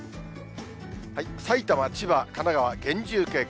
埼玉、千葉、神奈川、厳重警戒。